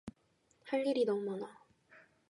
할 일이 너무 많아.